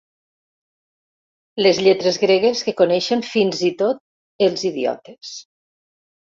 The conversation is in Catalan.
Les lletres gregues que coneixen fins i tot els idiotes.